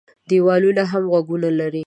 دېوالونو هم غوږونه لري.